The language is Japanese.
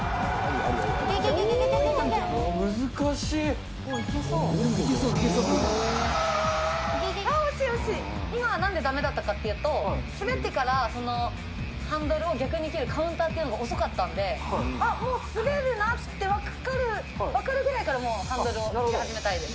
惜しい、惜しい、今はなんでだめだったかっていうと、滑ってからハンドルを逆に切るカウンターというのが遅かったんで、もう滑るなって分かるぐらいからもうハンドルを切り始めたいです。